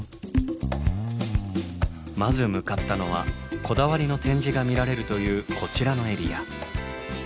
まず向かったのはこだわりの展示が見られるというこちらのエリア。